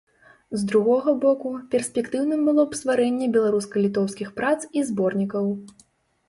З другога боку, перспектыўным было б стварэнне беларуска-літоўскіх прац і зборнікаў.